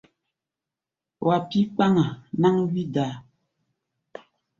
Wa pí̧ kpaŋa náŋ wí-daa.